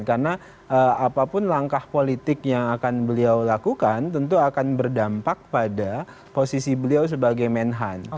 karena apapun langkah politik yang akan beliau lakukan tentu akan berdampak pada posisi beliau sebagai menhan